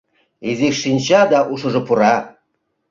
Изиш шинча, да ушыжо пура.